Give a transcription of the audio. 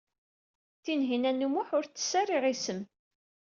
Tinhinan u Muḥ ur tettess ara iɣisem.